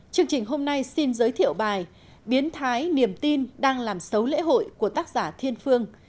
chương trình hôm nay xin giới thiệu bài biến thái niềm tin đang làm xấu lễ hội của tác giả thiên phương